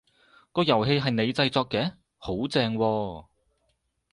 個遊戲係你製作嘅？好正喎！